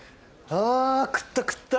ああ食った食った！